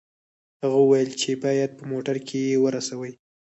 هغه وویل چې باید په موټر کې یې ورسوي